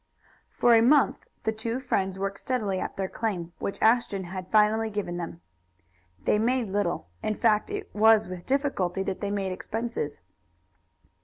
For a month the two friends worked steadily at their claim, which Ashton had finally given them. They made little. In fact, it was with difficulty that they made expenses.